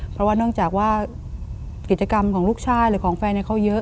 เพราะว่าเนื่องจากว่ากิจกรรมของลูกชายหรือของแฟนเขาเยอะ